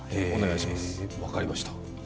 分かりました。